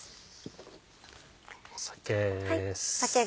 酒です。